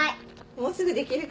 もうすぐできるから。